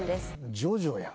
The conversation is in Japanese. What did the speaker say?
『ジョジョ』やん。